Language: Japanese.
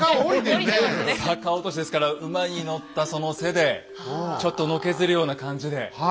逆落としですから馬に乗ったその背でちょっとのけぞるような感じで。